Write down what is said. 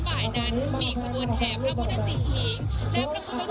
ไปที่จัดสองแก้วแล้วก็มาที่นี่ค่ะ